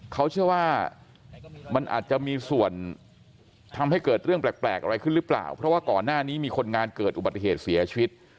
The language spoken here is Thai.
เขาเชื่อว่ามันอาจจะมีส่วนทำให้เกิดเรื่องแปลกอะไรขึ้นหรือเปล่าเพราะว่าก่อนหน้านี้มีคนงานเกิดอุบัติเหตุเสียชีวิต